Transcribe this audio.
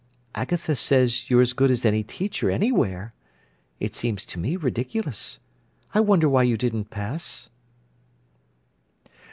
"Agatha says you're as good as any teacher anywhere. It seems to me ridiculous. I wonder why you didn't pass."